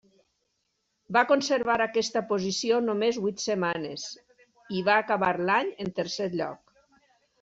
Va conservar aquesta posició només vuit setmanes i va acabar l'any en tercer lloc.